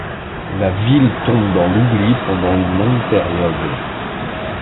La ville tombe dans l'oubli pendant une longue période.